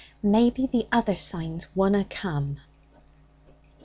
'Maybe the other signs wunna come.'